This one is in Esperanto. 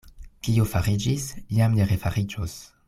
Kio fariĝis, jam ne refariĝos.